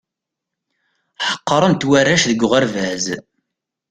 Ḥeqren-t warrac deg uɣerbaz.